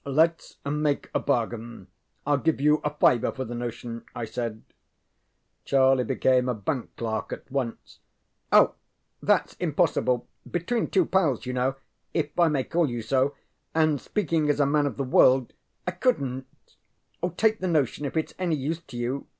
ŌĆ£LetŌĆÖs make a bargain. IŌĆÖll give you a fiver for the notion, ŌĆØ I said. Charlie became a bank clerk at once. ŌĆ£Oh, thatŌĆÖs impossible. Between two pals, you know, if I may call you so, and speaking as a man of the world, I couldnŌĆÖt. Take the notion if itŌĆÖs any use to you.